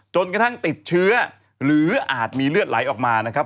จนกระทั่งติดเชื้อหรืออาจมีเลือดไหลออกมานะครับ